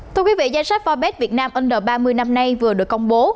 thưa quý vị danh sách forbes việt nam under ba mươi năm nay vừa được công bố